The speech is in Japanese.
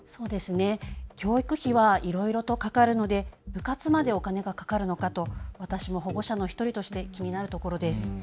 教育費はいろいろとかかるので部活までお金がかかるのかと私も保護者の１人として気になるところです。